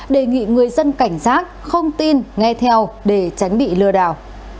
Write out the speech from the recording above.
đề nghị người dân cảnh giác không tin nghe theo để tránh bị lừa đảo